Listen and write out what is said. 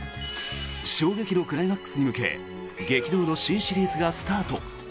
衝撃のクライマックスに向け激動の新シリーズがスタート。